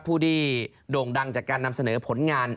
ผู้ที่โด่งดังจากการนำเสนอผลงาน